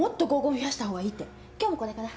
今日もこれから。